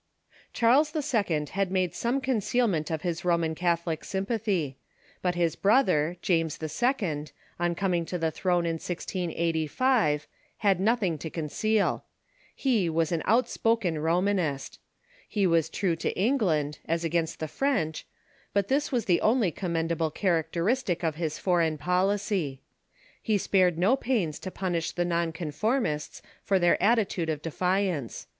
Charles II. had made some concealment of his Roman Cath olic sympathy. But his brother, James II., on coming to the throne in 1685, had nothino^ to conceal. He was an James II. i t» • tt ^^^, outspoken Romanist. He was true to England, as against the French, but this was the only commendable char acteristic of his foreign policy. He spared no pains to punish the non conformists for their attitude of defiance.